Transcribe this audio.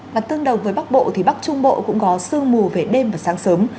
và tương đồng với bắc bộ thì bắc trung bộ cũng có sương mù về đêm và sáng sớm